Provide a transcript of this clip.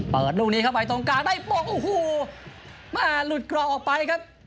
เปิดลูกนี้เข้าไปตรงกลางได้โอ้โหลุดกรอออกไปครับ